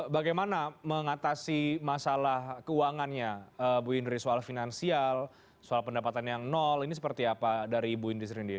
bagaimana mengatasi masalah keuangannya bu indri soal finansial soal pendapatan yang nol ini seperti apa dari ibu indi sendiri